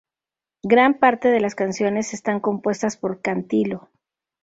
Gran parte de las canciones están compuestas por Cantilo.